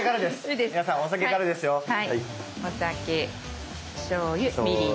お酒しょうゆみりんです。